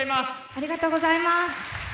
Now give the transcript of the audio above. ありがとうございます。